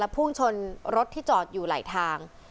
พุ่งชนรถที่จอดอยู่ไหลทาง